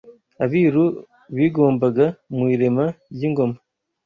abiru bigombaga mu irema ry’ingoma